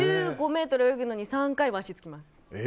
ｍ泳ぐのに３回は足つきます。